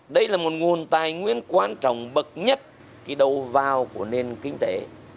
đây là một nguồn tài nguyên quan trọng bậc nhất cái đầu vào của nền kinh tế